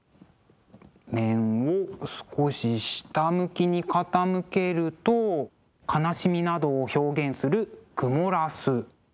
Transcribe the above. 面を少し下向きに傾けると悲しみなどを表現するクモラス。